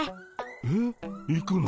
えっ行くの？